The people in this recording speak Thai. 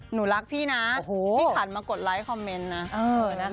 หนูรักพี่นะพี่หันมากดไลค์คอมเมนต์นะ